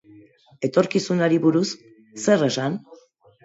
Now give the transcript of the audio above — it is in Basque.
Etorkizunari buruz, zer esan?